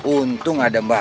untung ada mbak yu